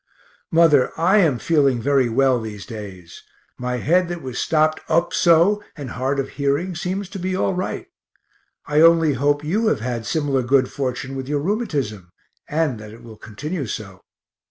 Mother, I am feeling very well these days my head that was stopt up so and hard of hearing seems to be all right; I only hope you have had similar good fortune with your rheumatism, and that it will continue so.